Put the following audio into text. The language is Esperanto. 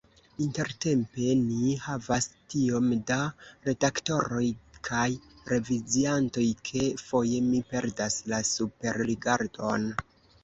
Intertempe ni havas tiom da redaktoroj kaj reviziantoj, ke foje mi perdas la superrigardon.